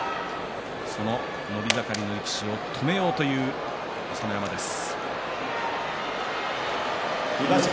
その伸び盛りを止めようという朝乃山です。